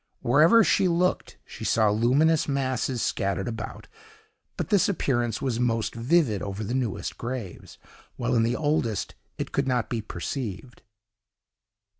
Wherever she looked, she saw luminous masses scattered about. But this appearance was most vivid over the newest graves, while in the oldest it could not be perceived.